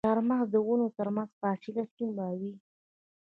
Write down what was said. د چهارمغز د ونو ترمنځ فاصله څومره وي؟